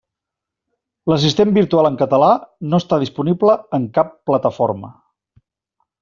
L'assistent virtual en català no està disponible en cap plataforma.